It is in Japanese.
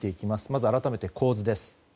まず改めて、構図です。